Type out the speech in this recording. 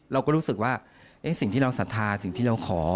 เราก็รู้สึกว่าสิ่งที่เราศรัทธาสิ่งที่เราขอ